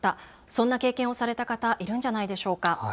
そんな経験をされた方、いるんじゃないでしょうか。